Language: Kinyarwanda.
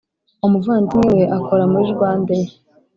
umuvandimwe we akora muri Rwanda air